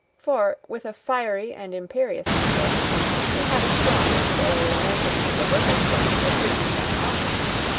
For, with a fiery and imperious temper, he had a strong though a lamentably perverted sense of duty and honour.